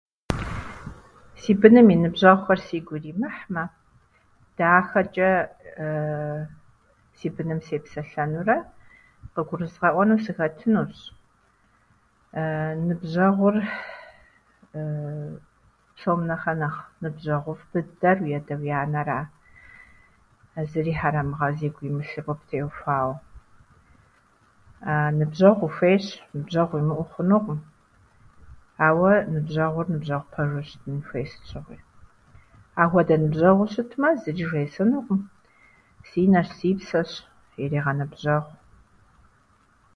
Си быным и ныбжьэгъухэр сигу иримыхьмэ, дахэчӏэ си быным сепсэлъэнурэ къыгурызгъэӏуэну сыхэтынущ ныбжьэгъур псом нэхърэ нэхъ ныбжьэгъуфӏ дыдэр уи адэ-уи анэра, зыри хьэрэмыгъэ зигу имылъыр къыптеухуауэ. Ныбжьэгъу ухуейщ, ныбжьэгъу уимыӏэу хъунукъым, ауэ ныбжьэгъур ныбжьэгъу пэжу щытын хуей сыт щыгъуи. Ахуэдэ ныбжьэгъуу щытмэ, зыри жейсӏэнукъым, си нэщ, си псэщ, ирегъэныбжьэгъу.